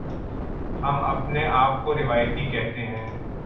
ہم اپنے آپ کو روایتی کہتے ہیں۔